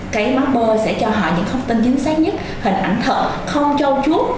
cái mapper sẽ cho họ những thông tin chính xác nhất hình ảnh thật không trâu chút